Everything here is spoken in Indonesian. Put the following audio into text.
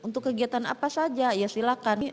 untuk kegiatan apa saja ya silakan